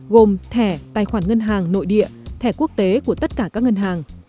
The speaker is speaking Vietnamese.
gồm thẻ tài khoản ngân hàng nội địa thẻ quốc tế của tất cả các ngân hàng